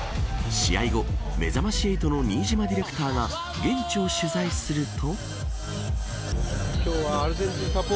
試合後、めざまし８の新島ディレクターが現地を取材すると。